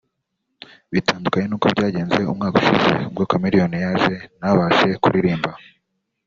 Bitandukanye n’uko byagenze umwaka ushize ubwo Chameleone yaje ntabashe kuririmba